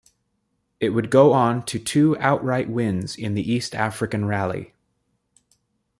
It would go on to two outright wins in the East African Rally.